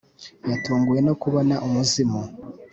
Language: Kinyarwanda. Yatunguwe no kubona umuzimu